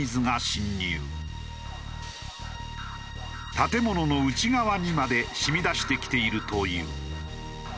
建物の内側にまで染み出してきているという。